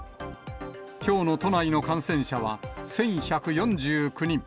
きょうの都内の感染者は１１４９人。